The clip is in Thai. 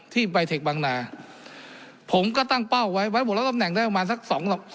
ใบเทคบางนาผมก็ตั้งเป้าไว้ไว้หมดแล้วตำแหน่งได้ประมาณสักสอง